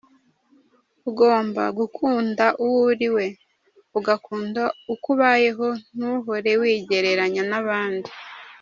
Ugomba gukunda uwo uriwe, ugakunda uko ubayeho ntuhore wigereranya n’abandi.